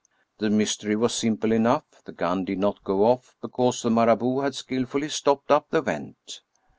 The mystery was simple enough; the gun did not go off because the Marabout had skillfully stopped up the vent.